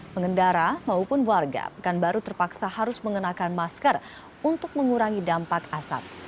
pengendara maupun warga pekanbaru terpaksa harus mengenakan masker untuk mengurangi dampak asap